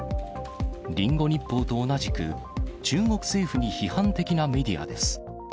リンゴ日報と同じく、中国政府に批判的なメディアです。